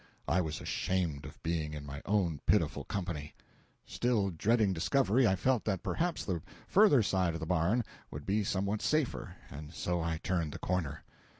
I was ashamed of being in my own pitiful company. Still dreading discovery, I felt that perhaps the further side of the barn would be somewhat safer, and so I turned the corner.